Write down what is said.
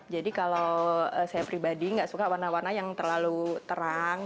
jadi kalau saya pribadi nggak suka warna warna yang terlalu terang